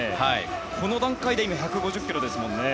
この段階で１５０キロですもんね。